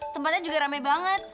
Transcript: tempatnya juga rame banget